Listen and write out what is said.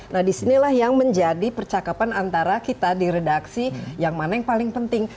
nah disinilah yang menjadi percakapan antara kita di redaksi yang mana yang paling penting